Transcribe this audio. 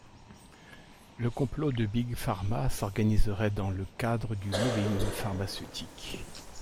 Le complot de Big Pharma s'organiserait dans le cadre du lobbying pharmaceutique.